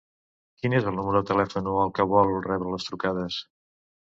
Quin és el número de telèfon al que vol rebre les factures?